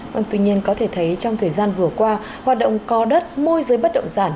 vâng tuy nhiên có thể thấy trong thời gian vừa qua hoạt động có đất môi giới bất động sản